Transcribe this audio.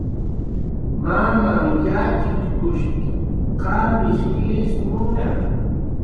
Mamanh yatxichkush qamish kis nurja.